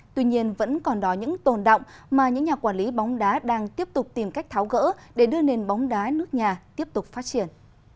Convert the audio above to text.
tuy nhiên vẫn còn đó những tồn động mà những nhà quản lý bóng đá đang tiếp tục tìm cách tháo gỡ để đưa nền bóng đá nước nhà tiếp tục phát triển